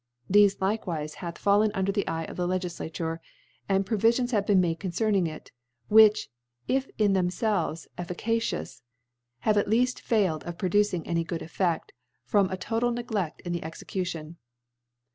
This likewife hath fallen under the Eye of the LegUlacure, and Provifions havQ been made concerning it|, whicht if in themfelves efficacious, have at leaft failed of producing any good EfFed, from a total Negleft in the Execution.